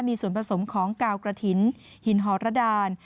มีส่วนผสมของกาวกระถิ่นหินหอรดาน